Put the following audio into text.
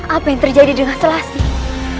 apa yang terjadi dengan telasi